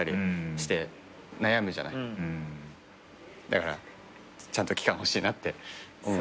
だからちゃんと期間欲しいなって思う。